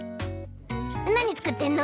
なにつくってんの？